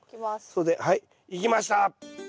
それではいいきました！